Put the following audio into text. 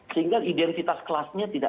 sehingga identitas kelasnya tidak